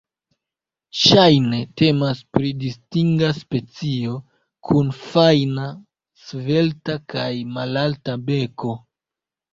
Ŝajne temas pri distinga specio, kun fajna, svelta kaj malalta beko.